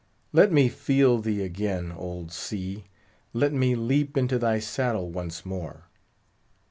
Let me feel thee again, old sea! let me leap into thy saddle once more.